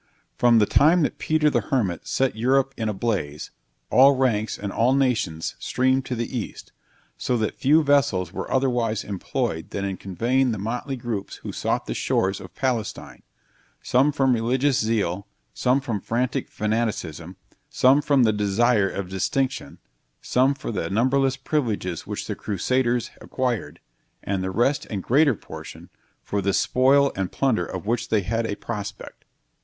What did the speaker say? From the time that Peter the Hermit set Europe in a blaze, all ranks, and all nations, streamed to the East, so that few vessels were otherwise employed than in conveying the motly groups who sought the shores of Palestine; some from religious zeal; some from frantic fanaticism; some from desire of distinction; some for the numberless privileges which the crusaders acquired; and the rest and greater portion, for the spoil and plunder of which they had a prospect.